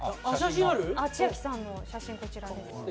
ちあきさんの写真こちらです。